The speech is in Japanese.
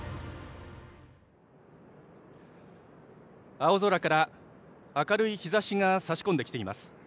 青空から明るい日ざしが降り注いでいます。